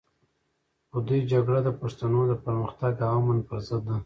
خو د دوی جګړه د پښتنو د پرمختګ او امن پر ضد ده.